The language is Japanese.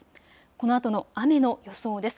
このあとの雨の予想です。